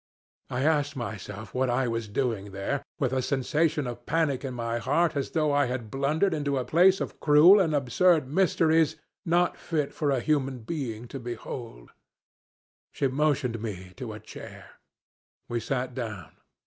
I asked myself what I was doing there, with a sensation of panic in my heart as though I had blundered into a place of cruel and absurd mysteries not fit for a human being to behold. She motioned me to a chair. We sat down.